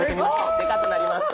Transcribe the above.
でかくなりました。